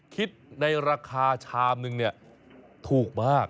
คิดในราคาชามนึงเนี่ยถูกมาก